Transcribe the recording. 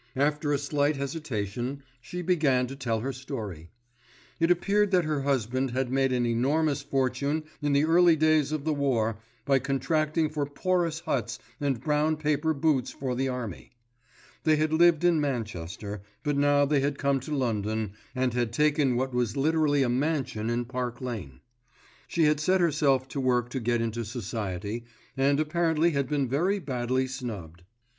After a slight hesitation she began to tell her story. It appeared that her husband had made an enormous fortune in the early days of the war by contracting for porous huts and brown paper boots for the Army. They had lived in Manchester, but now they had come to London and taken what was literally a mansion in Park Lane. She had set herself to work to get into Society, and apparently had been very badly snubbed.